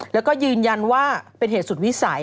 แล้วก็ยืนยันว่าเป็นเหตุสุดวิสัย